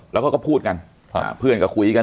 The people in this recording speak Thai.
แล้วเขาก็พูดกันเพื่อนก็คุยกัน